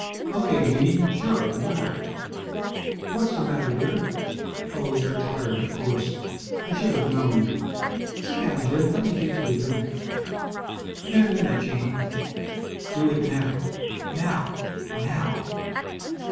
"Okay, Jean, sure. Why not?" "What's the matter, dear? Oh, you're tired, of course. I should have known. Sit down, Jim. Let me get you a drink." "In a minute, Jean." Do it now now NOW!